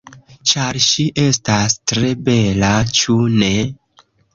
Ĉar ŝi estas tre bela, ĉu ne?